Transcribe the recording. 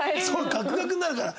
ガクガクになるから。